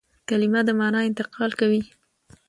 کلیمه د مانا انتقال کوي.